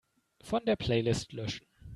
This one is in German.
Von der Playlist löschen.